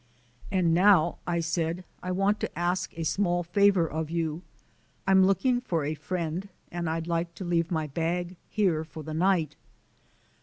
"And now," I said, "I want to ask a small favour of you. I'm looking for a friend, and I'd like to leave my bag here for the night."